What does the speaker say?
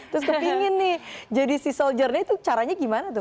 terus kepingin nih jadi sea soldiernya itu caranya gimana tuh